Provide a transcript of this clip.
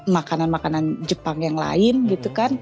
makanan makanan jepang yang lain gitu kan